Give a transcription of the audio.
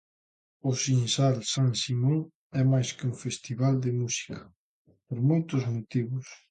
O Sinsal San Simón é máis que un festival de música, por moitos motivos.